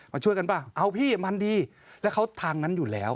มาช่วยกันป่ะเอาพี่มันดีแล้วเขาทางนั้นอยู่แล้ว